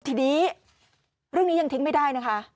ทีนี้เรื่องนี้ยังทิ้งไม่ได้นะคะ